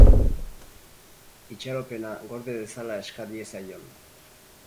Itxaropena gorde dezala eska diezaion.